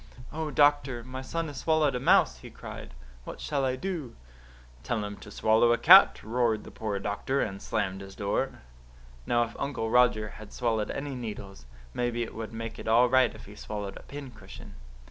"'Oh, doctor, my son has swallowed a mouse,' he cried. 'What shall I do?' "'Tell him to swallow a cat,' roared the poor doctor, and slammed his door. "Now, if Uncle Roger has swallowed any needles, maybe it would make it all right if he swallowed a pincushion."